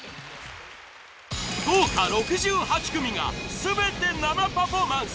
豪華６８組が全て生パフォーマンス！